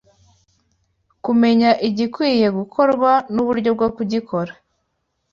kumenya igikwiye gukorwa nuburyo bwo kugikora